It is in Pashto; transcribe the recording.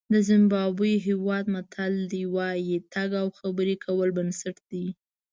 د زیمبابوې هېواد متل وایي تګ او خبرې کول بنسټ دی.